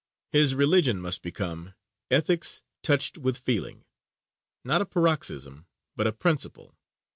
His religion must become "ethics touched with feeling" not a paroxysm, but a principle.